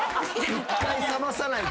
１回さまさないと。